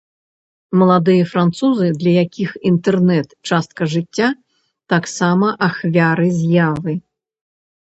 Маладыя французы, для якіх інтэрнэт-частка жыцця, таксама ахвяры з'явы.